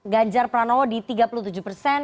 ganjar pranowo di tiga puluh tujuh persen